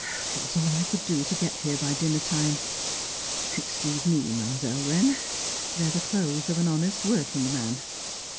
"It was all I could do to get here by dinner time. Excuse me, Mam'zelle Wren; they're the clothes of an honest working man."